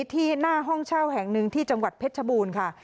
ที่หน้าห้องเช่าแห่งหนึ่งที่จังหวัดเพชรชบูรณ์ค่ะ